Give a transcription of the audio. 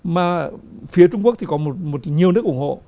mà phía trung quốc thì có nhiều nước ủng hộ